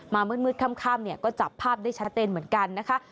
มามืดข้ามก็จับภาพได้ชัดเต้นเหมือนกันนะคะ